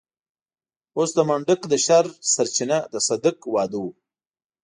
اوس د منډک د شر سرچينه د صدک واده و.